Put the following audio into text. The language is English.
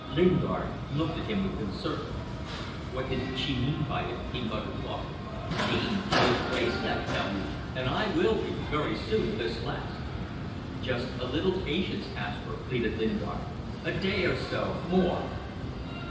Lingard looked at him with concern. "What did she mean by it?" he muttered, thoughtfully. "Mean! She is crazy, I tell you and I will be, very soon, if this lasts!" "Just a little patience, Kaspar," pleaded Lingard. "A day or so more."